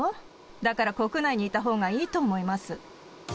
だから国内にいたほうがいいと思います。